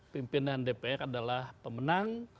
pimpinan dpr adalah pemenang